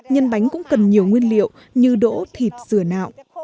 nhân bánh cũng cần nhiều nguyên liệu như đỗ thịt dừa nạo